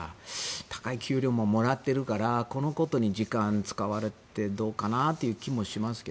高い給料ももらっているからこんなことに時間使われてどうかなという気がします。